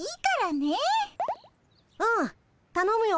うんたのむよ